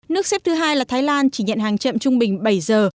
nước xếp thứ hai là thái lan chỉ nhận hàng chậm trung bình bảy giờ